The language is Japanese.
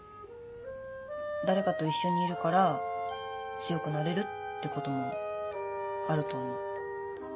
誰かと一緒にいるから強くなれるってこともあると思う。